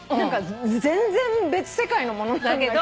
全然別世界のものなんだけど。